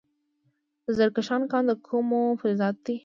د زرکشان کان د کومو فلزاتو دی؟